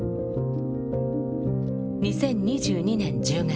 ２０２２年１０月。